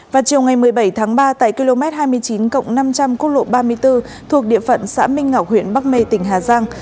vào chiều ngày một mươi bảy tháng ba tại km hai mươi chín cộng năm trăm linh quốc lộ ba mươi bốn thuộc địa phận xã minh ngọc huyện bắc mê tỉnh hà giang